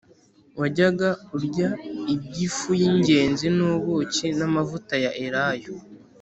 Wajyaga urya iby’ifu y’ingezi n’ubuki n’amavuta ya elayo